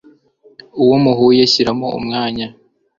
uwo muhuye shyiramo umwanya